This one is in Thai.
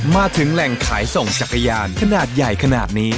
มาถึงแหล่งขายส่งจักรยานขนาดใหญ่ขนาดนี้